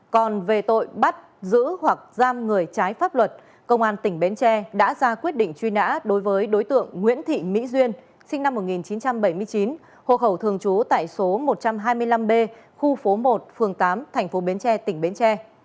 còn về tội bắt giữ hoặc giam người trái pháp luật công an tỉnh bến tre đã ra quyết định truy nã đối với đối tượng nguyễn thị mỹ duyên sinh năm một nghìn chín trăm bảy mươi chín hộ khẩu thường trú tại số một trăm hai mươi năm b khu phố một phường tám thành phố bến tre tỉnh bến tre